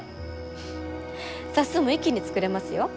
フッ冊数も一気に作れますよ。